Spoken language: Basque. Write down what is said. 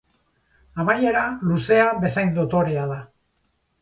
Amaiera luzea bezain dotorea da.